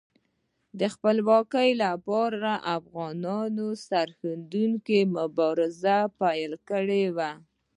د خپلواکۍ لپاره افغانانو سرښندونکې مبارزه پیل کړې وه.